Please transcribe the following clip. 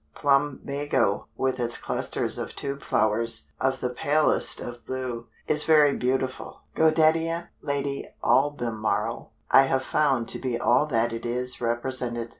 Plumbago, with its clusters of tube flowers, of the palest of blue, is very beautiful. Godetia, "Lady Albemarle," I have found to be all that it is represented.